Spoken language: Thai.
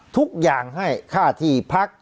ผมต้องให้ค่าที่พัก